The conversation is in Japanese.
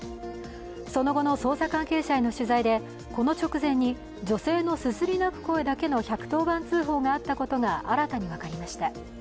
その後の捜査関係者への取材で、この直前に女性のすすり泣く声だけの１１０番通報があったことが新たに分かりました。